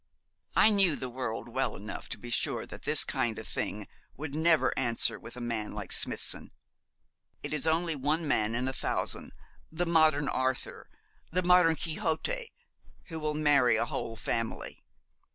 I knew the world well enough to be sure that this kind of thing would never answer with a man like Smithson. It is only one man in a thousand the modern Arthur, the modern Quixote who will marry a whole family.